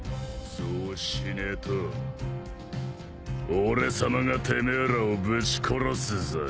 そうしねえと俺さまがてめえらをぶち殺すぞ。